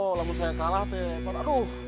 kalau saya kalah aduh